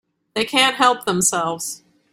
They can't help themselves.